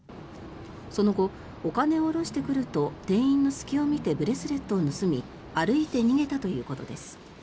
その後、お金を下ろしてくると店員の隙を見てブレスレットを盗み歩いて逃げたということです。